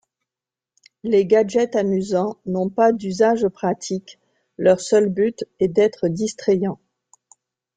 Les gadgets amusants n'ont pas d'usage pratique, leur seul but est d'être distrayants.